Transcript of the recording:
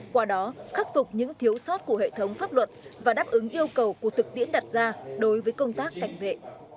qua đó khắc phục những thiếu sót của hệ thống pháp luật và đáp ứng yêu cầu của thực tiễn đặt ra đối với công tác cảnh vệ